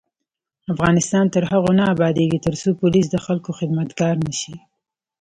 افغانستان تر هغو نه ابادیږي، ترڅو پولیس د خلکو خدمتګار نشي.